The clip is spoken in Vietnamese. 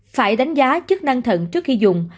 phải đánh giá chức năng thận trước khi dùng